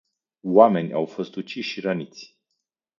Oameni au fost uciși și răniți.